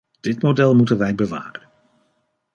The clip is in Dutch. Dit model moeten wij bewaren.